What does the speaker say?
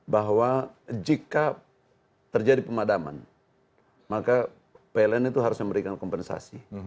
bahwa jika terjadi pemadaman maka pln itu harus memberikan kompensasi